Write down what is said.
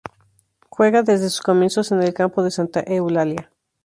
Juega desde sus comienzos en el Campo de Santa Eulalia.